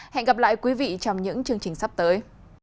hẹn gặp lại quý vị trong những chương trình sắp tới